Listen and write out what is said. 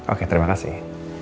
oke terima kasih